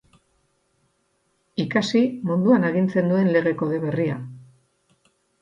Ikasi munduan agintzen duen Lege Kode berria.